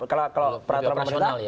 kalau peraturan pemerintah